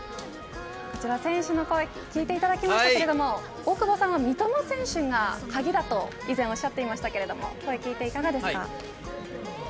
こちら選手の声聞いていただきましたけれども大久保さんは三笘選手が鍵だと、以前おっしゃっていましたけれどもはい、